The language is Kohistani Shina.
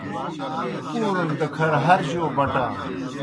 پُورَݨ دہ کھر ہر جو بٹانوْ۔